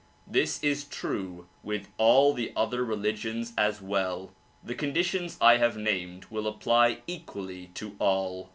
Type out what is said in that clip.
This is true with all the other religions as well. The conditions I have named will apply equally to all.